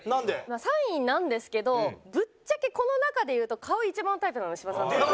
まあ３位なんですけどぶっちゃけこの中で言うと顔一番タイプなの芝さんなんですよ。